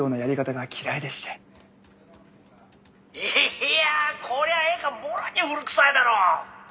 いやぁこりゃ絵がもろに古くさいだろ。